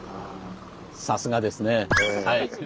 さすがですね。